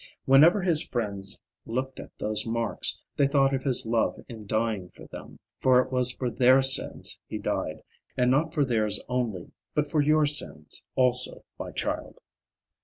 Whenever his friends looked at those marks, they thought of his love in dying for them, for it was for their sins he died, and not for theirs only, but for your sins, also, my child.